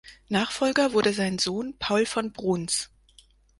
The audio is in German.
Nachfolger wurde sein Sohn Paul von Bruns.